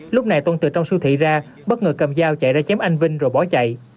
lúc này tôn từ trong siêu thị ra bất ngờ cầm dao chạy ra chém anh vinh rồi bỏ chạy